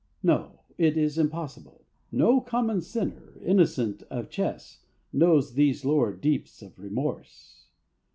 No! it is impossible! no common sinner innocent of chess knows these lower deeps of remorse.